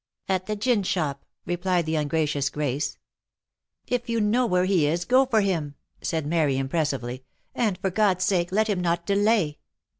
?' At the gin shop," replied the ungracious Grace. " If you know where he is, go for him," said Mary, impressively, " and for God's sake let him not delay